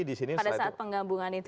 pada saat penggabungan itu